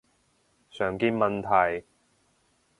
常見問題